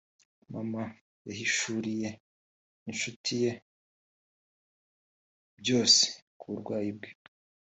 mama yahishuriye inshuti ye byose ku burwayi bwe